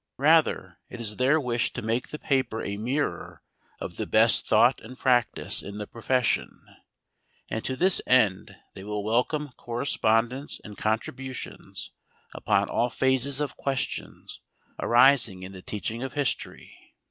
Rather it is their wish to make the paper a mirror of the best thought and practice in the profession, and to this end they will welcome correspondence and contributions upon all phases of questions arising in the teaching of history.